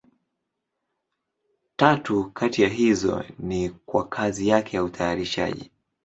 Tatu kati ya hizo ni kwa kazi yake ya utayarishaji.